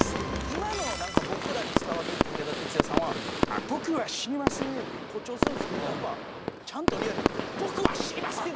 今の僕らに伝わってる武田鉄矢さんは「僕は死にませぇん」って誇張するんすけどやっぱちゃんとリアルに「僕は死にません！」